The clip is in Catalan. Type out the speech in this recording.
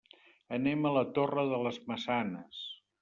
Anem a la Torre de les Maçanes.